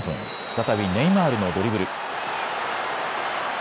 再びネイマールのドリブル。